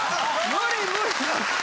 無理無理